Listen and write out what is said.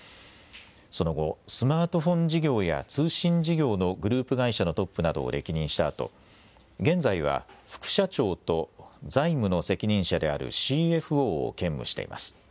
その後、スマートフォン事業や通信事業のグループ会社のトップなどを歴任したあと現在は副社長と財務の責任者であるＣＦＯを兼務しています。